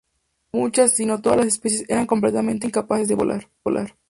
Muchas, si no todas las especies eran completamente incapaces de volar.